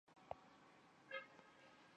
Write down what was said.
亦是当别町最北的车站。